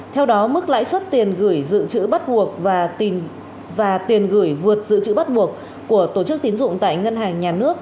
theo đó mức lãi suất tiền gửi dự trữ bắt buộc và tiền và tiền gửi vượt dự trữ bắt buộc của tổ chức tín dụng tại ngân hàng nhà nước